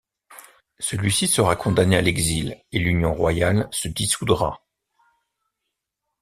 Celle-ci sera condamnée à l'exil, et l'union royale se dissoudra.